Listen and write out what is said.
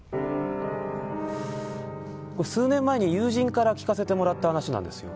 数年前に友人から聞かせてもらった話なんですよ。